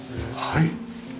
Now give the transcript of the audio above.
はい。